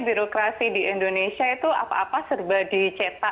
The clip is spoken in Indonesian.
birokrasi di indonesia itu apa apa serba dicetak